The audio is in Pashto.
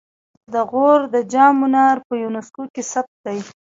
د غور د جام منار په یونسکو کې ثبت دی